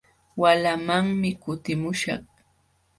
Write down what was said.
Walamanmi kutimuśhaq.